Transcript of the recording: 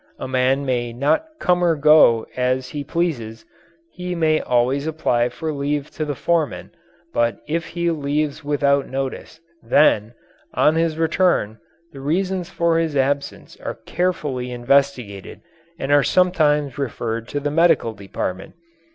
A man may not come or go as he pleases; he may always apply for leave to the foreman, but if he leaves without notice, then, on his return, the reasons for his absence are carefully investigated and are sometimes referred to the Medical Department.